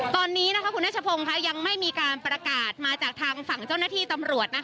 ตอนนี้คุณนัชพงศ์ยังไม่มีการประกาศมาจากทางฝั่งเจ้าหน้าที่ตำรวจ